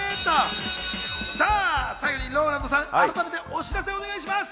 最後にＲＯＬＡＮＤさん、改めてお知らせをお願いします。